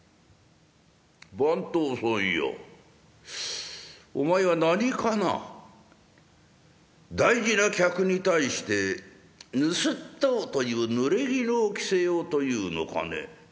「番頭さんやお前は何かな大事な客に対して盗っ人というぬれぎぬを着せようというのかね」。